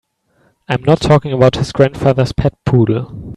I'm not talking about his grandfather's pet poodle.